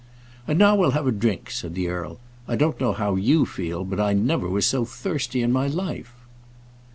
"And now we'll have a drink," said the earl. "I don't know how you feel, but I never was so thirsty in my life."